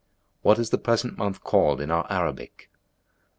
What is the present month called in our Arabic?"